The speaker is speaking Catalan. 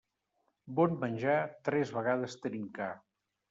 Bon menjar, tres vegades trincar.